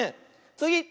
つぎ！